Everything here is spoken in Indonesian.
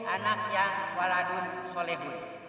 anak yang waladun solehun